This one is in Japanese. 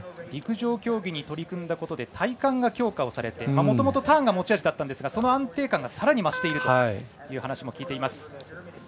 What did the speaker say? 陸上競技に取り組んだことで、体幹が強化をされて、もともとターンが持ち味だったんですがその安定感がさらに増しているという話も聞いています。